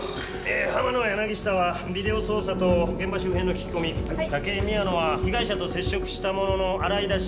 野柳下はビデオ捜査と現場周辺の聞き込み武井宮野は被害者と接触した者の洗い出し